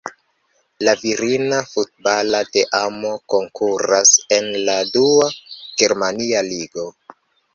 La virina futbala teamo konkuras en la dua germania ligo.